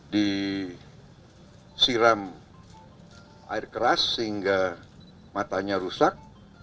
disiram air keras sehingga matanya rusak